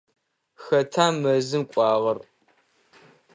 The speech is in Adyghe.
Хэта мэзым кӏуагъэр?